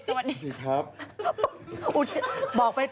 สวัสดีครับ